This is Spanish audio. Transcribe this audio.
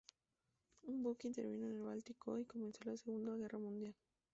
El buque intervino en el Báltico al comienzo de la Segunda Guerra Mundial.